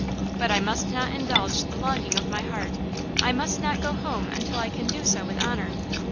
but I must not indulge the longing of my heart. I must not go home until I can do so with honor!"